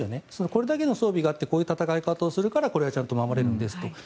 これだけの装備があってこういう戦い方があるから守れるんですと。